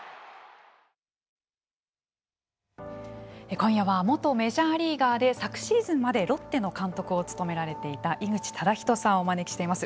今夜は元メジャーリーガーで昨シーズンまでロッテの監督を務められていた井口資仁さんをお招きしています。